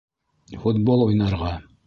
Футбол уйнарға!